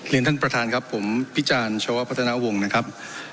เรียนท่านประธานครับผมพี่จานชาววะพัฒนาวงศ์นะครับ